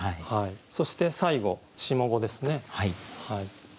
そして最後下五ですね。